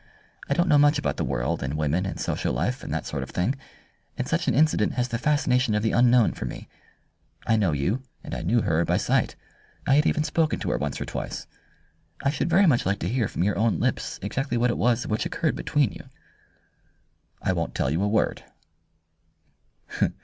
I don't know much about the world and women and social life and that sort of thing, and such an incident has the fascination of the unknown for me. I know you, and I knew her by sight I had even spoken to her once or twice. I should very much like to hear from your own lips exactly what it was which occurred between you." "I won't tell you a word."